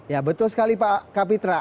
ya betul sekali pak kapitra